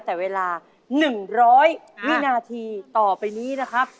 แต่เวลา๑๐๐วินาทีต่อไปนี้นะครับ